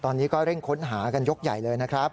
ตอนนี้ก็เร่งค้นหากันยกใหญ่เลยนะครับ